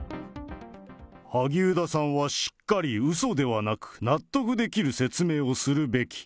萩生田さんはしっかりうそではなく、納得できる説明をするべき。